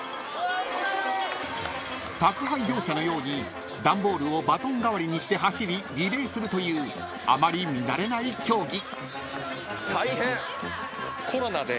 ［宅配業者のように段ボールをバトン代わりにして走りリレーするというあまり見慣れない競技］